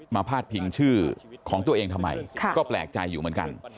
พาดพิงชื่อของตัวเองทำไมก็แปลกใจอยู่เหมือนกัน